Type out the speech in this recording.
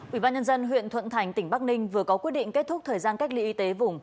ủy ban nhân dân huyện thuận thành tỉnh bắc ninh vừa có quyết định kết thúc thời gian cách ly y tế vùng